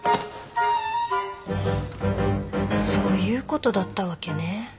そういうことだったわけね。